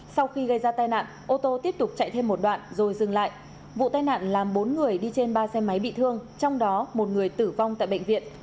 sau khi gây ra tai nạn ô tô tiếp tục chạy thêm một đoạn rồi dừng lại vụ tai nạn làm bốn người đi trên ba xe máy bị thương trong đó một người tử vong tại bệnh viện